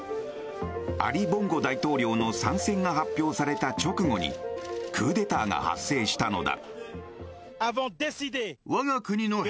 アリ・ボンゴ大統領の３選が発表された直後にクーデターが発生したのだ。